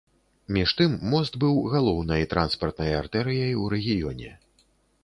Між тым мост быў галоўнай транспартнай артэрыяй ў рэгіёне.